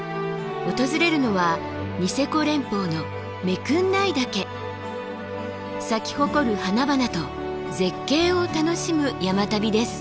訪れるのはニセコ連峰の咲き誇る花々と絶景を楽しむ山旅です。